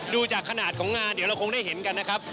ดูจากขนาดของงานเดี๋ยวเราคงได้เห็นกันนะครับ